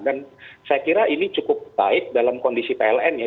dan saya kira ini cukup baik dalam kondisi pln ya